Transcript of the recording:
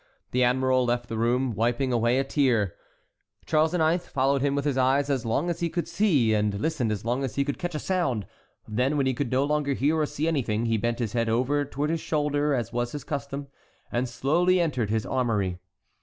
The admiral left the room, wiping away a tear. Charles IX. followed him with his eyes as long as he could see, and listened as long as he could catch a sound; then, when he could no longer hear or see anything, he bent his head over toward his shoulder, as his custom was, and slowly entered his armory.